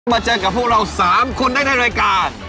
เจอกับพวกเรา๓คนได้ในรายการ